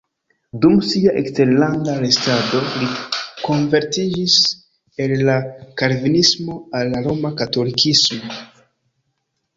Dum sia eksterlanda restado li konvertiĝis el la kalvinismo al la roma katolikismo.